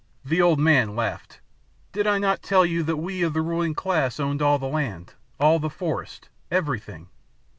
The old man laughed. "Did I not tell you that we of the ruling class owned all the land, all the forest, everything?